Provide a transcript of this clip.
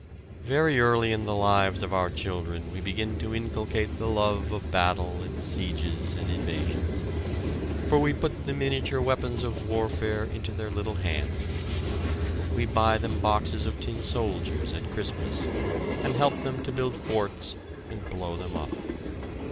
Very early in the lives of our children we begin to inculcate the love of battle and sieges and invasions, for we put the miniature weapons of warfare into their little hands. We buy them boxes of tin soldiers at Christmas, and help them to build forts and blow them up.